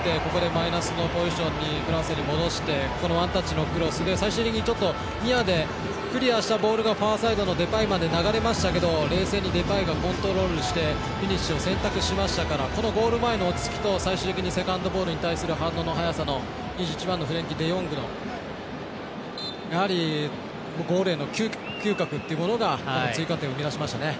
マイナスのポジションにクラーセンが戻してワンタッチのクロスで最終的にニアでクリアしたボールをファーサイドのデパイまで流れましたけど冷静にデパイがコントロールしてフィニッシュを選択しましたからゴール前の落ち着きと最終的にセカンドボールの反応の速さの２１番のフレンキー・デヨングのやはりゴールへの嗅覚っていうのが追加点を生み出しましたね。